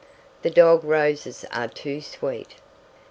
The dog roses are too sweet.